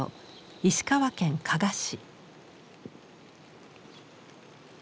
石川県加賀市。